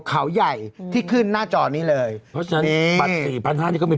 เขาใหญ่ที่ขึ้นหน้าจอนี้เลยเพราะฉะนั้นบัตรสี่พันห้านี่ก็มี